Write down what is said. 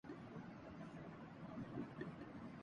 رضا حسن پر کوکین کے استعمال کا الزام